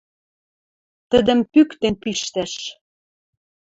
Тӹдӹм пӱктен пиштӓш!»